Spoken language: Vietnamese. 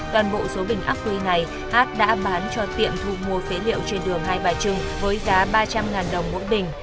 toàn bộ số bình ác quỷ này h đã bán cho tiệm thu mua phế liệu trên đường hai bà trưng với giá ba trăm linh đồng mỗi bình